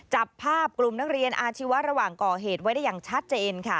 จับภาพกลุ่มนักเรียนอาชีวะระหว่างก่อเหตุไว้ได้อย่างชัดเจนค่ะ